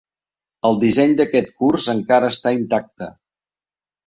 El disseny d'aquest curs encara està intacte.